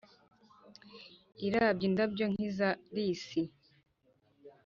irabye indabyo nk’iza lisi,